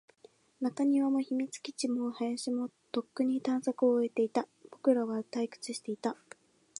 中庭も、秘密基地も、林も、とっくに探索を終えていた。僕らは退屈していた。